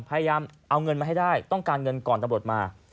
พยายามเอาเงินมาให้ได้ต้องการเงินก่อนตำรวจมา